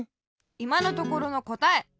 いまのところのこたえ！